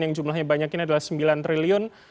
yang jumlahnya banyak ini adalah sembilan triliun